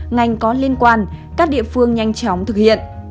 ngành có liên quan các địa phương nhanh chóng thực hiện